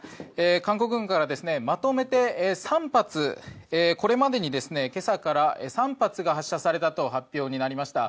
韓国軍から、まとめて３発これまでに今朝から３発が発射されたと発表になりました。